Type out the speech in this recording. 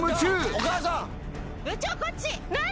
こっち。